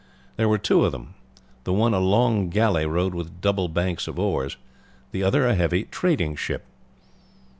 There were two of them, the one a long galley rowed with double banks of oars, the other a heavy trading ship.